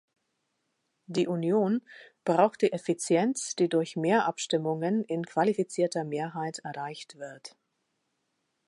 Die Union braucht die Effizienz, die durch mehr Abstimmungen in qualifizierter Mehrheit erreicht wird.